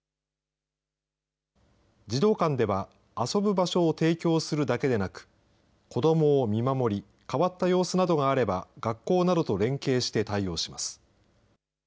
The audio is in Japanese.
児童館では、遊ぶ場所を提供するだけでなく、子どもを見守り、変わった様子などがあれば、学校などと連携して対応します。